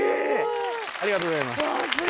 ありがとうございます。